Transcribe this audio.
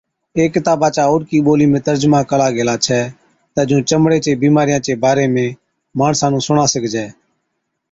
اي ڪِتابا چا اوڏڪِي ٻولِي ۾ ترجما ڪلا گيلا ڇَي تہ جُون چمڙي چي بِيمارِيان چي باري ۾ ماڻسان نُون سُڻا سِگھجَي